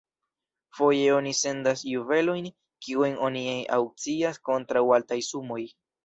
Foje oni sendas juvelojn, kiujn oni aŭkcias kontraŭ altaj sumoj.